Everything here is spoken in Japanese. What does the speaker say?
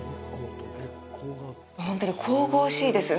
ほんとに神々しいです。